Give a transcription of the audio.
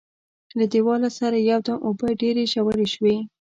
له دیواله سره یو دم اوبه ډېرې ژورې شوې.